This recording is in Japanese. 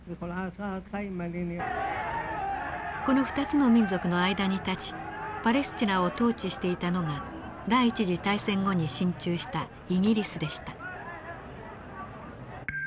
この２つの民族の間に立ちパレスチナを統治していたのが第一次大戦後に進駐したイギリスでした。